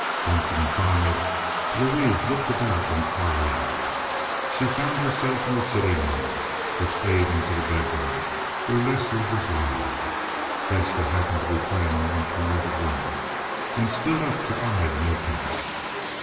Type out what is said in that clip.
Once inside Louise looked about her inquiringly. She found herself in the sitting room, which gave into the bedroom where Lester was lying. Vesta happened to be playing in one corner of the room, and stood up to eye the new comer.